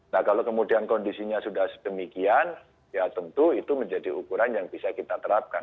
nah kalau kemudian kondisinya sudah sedemikian ya tentu itu menjadi ukuran yang bisa kita terapkan